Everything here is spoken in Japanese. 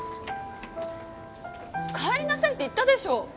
帰りなさいって言ったでしょ。